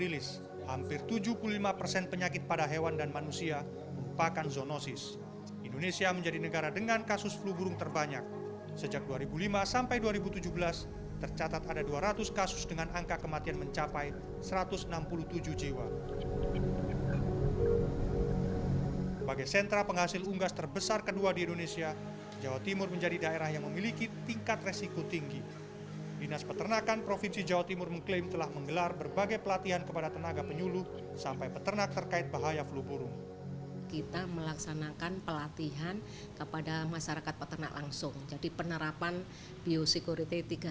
langsung atau tidak langsung pada peternaknya